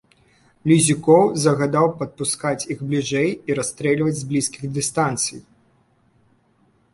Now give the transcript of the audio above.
Лізюкоў загадаў падпускаць іх бліжэй і расстрэльваць з блізкіх дыстанцый.